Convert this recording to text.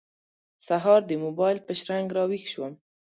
سهار د موبایل په شرنګ راوېښ شوم.